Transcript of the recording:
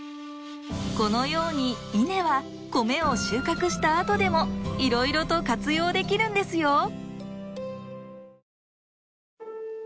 このように稲は米を収穫したあとでもいろいろと活用できるんですよ